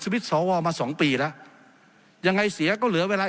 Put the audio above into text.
สวทธิ์ฯสวมา๒ปีละยังไงเสียก็เหลือเวลา